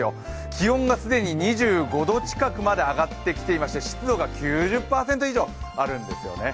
気温が既に２５度近くまで上がっていまして湿度が９０％以上あるんですよね。